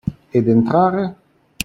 Ed entrare?